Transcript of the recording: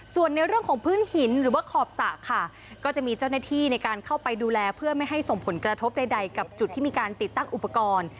ส่วนในเรื่องของพื้นหินหรือว่าขอบสระค่ะก็จะมีเจ้าหน้าที่ในการเข้าไปดูแลเพื่อไม่ให้ส่งผลกระทบใดกับจุดที่มีการติดตั้งอุปกรณ์